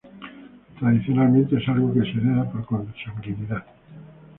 Tradicionalmente es algo que se hereda por consanguinidad.